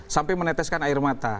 sampai meneteskan air mata